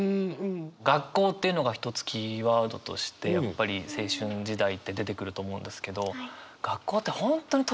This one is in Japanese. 「学校」っていうのが一つキーワードとしてやっぱり青春時代って出てくると思うんですけど学校って本当に特殊な機関。というか箱。